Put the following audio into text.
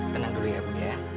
tenang dulu ya ibu